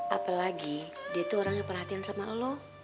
apalagi dia tuh orang yang perhatian sama lo